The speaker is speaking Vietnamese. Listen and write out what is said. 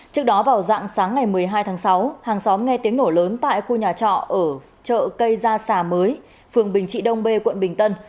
trước đó vào dạng sáng ngày một mươi hai tháng sáu hàng xóm nghe tiếng nổ lớn tại khu nhà trọ ở chợ cây gia mới phường bình trị đông bê quận bình tân